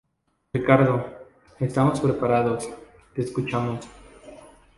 Ricardo, estamos preparados, te escuchamos.